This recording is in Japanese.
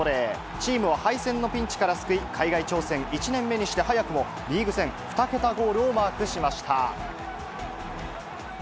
チームを敗戦のピンチから救い、海外挑戦１年目にして早くもリーグ戦２桁ゴールをマークしました。